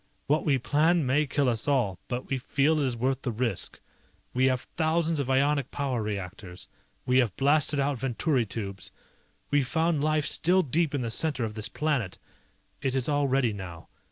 What we plan may kill us all, but we feel it is worth the risk. We have thousands of ionic power reactors. We have blasted out Venturi tubes. We found life still deep in the center of this planet. It is all ready now.